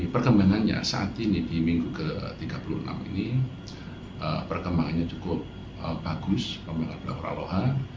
perkembangannya saat ini di minggu ke tiga puluh enam ini perkembangannya cukup bagus pembangunan pulau ha